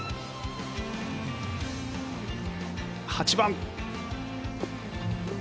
８番。